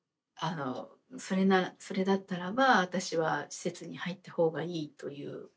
それだったらば私は施設に入った方がいいという。